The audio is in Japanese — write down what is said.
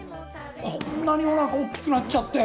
こんなにおなかおっきくなっちゃって！